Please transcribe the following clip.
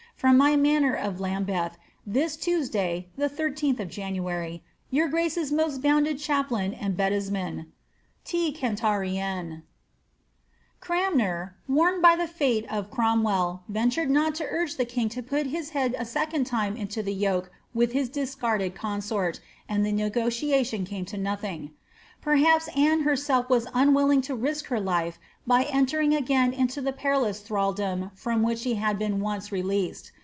From my manor of Lambeth^ this Tuesday, the 13th of January. <^ Your grace's most bounded chaplain and bedesman, T. CAVTVABfBir.'* Cranmer, warned by the fate of Cromwell, ventured not to ni^ the king to put his head a second time into the yoke with his discuded consort, and the negotiation came to nothing. Perhaps Anoe hnvdf was unwilling to risk her life by entering again into the periloas thml dom from which she had been once released.